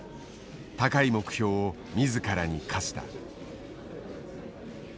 高い目標を自らに課した。